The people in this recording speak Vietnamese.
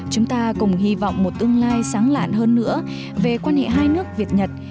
chúng ta cùng hy vọng một tương lai sáng lạn hơn nữa về quan hệ hai nước việt nhật